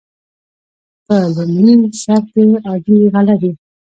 په لومړي سر کې عادي غله وي.